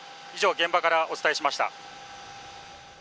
以上、現場からお伝えしました。